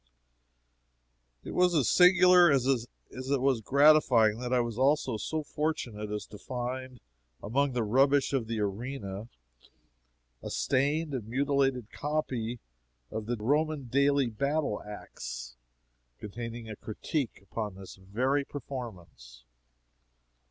It was as singular as it was gratifying that I was also so fortunate as to find among the rubbish of the arena, a stained and mutilated copy of the Roman Daily Battle Ax, containing a critique upon this very performance.